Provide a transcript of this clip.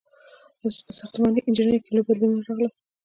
• په ساختماني انجینرۍ کې لوی بدلونونه راغلل.